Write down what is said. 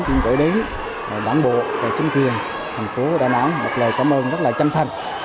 chính vì đến bản bộ trung tiên thành phố đà nẵng một lời cảm ơn rất là chân thành